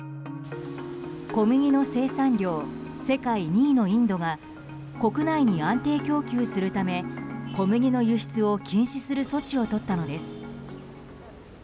小麦の生産量世界２位のインドが国内に安定供給するため小麦の輸出を禁止する措置をとったのです。